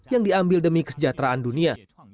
yang diambil demi kesejahteraan dunia